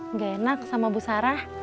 nggak enak sama bu sarah